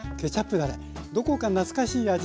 どこか懐かしい味